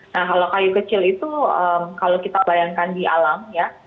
nah kalau kayu kecil itu kalau kita bayangkan di alam ya